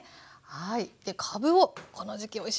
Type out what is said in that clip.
はい。